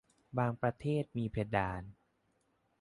บางประเทศมีเพดาน